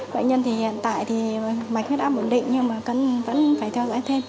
bệnh nhân thì hiện tại mạch hết áp ổn định nhưng mà vẫn phải theo dõi thêm